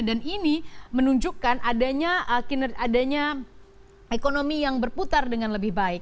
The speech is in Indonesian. dan ini menunjukkan adanya ekonomi yang berputar dengan lebih baik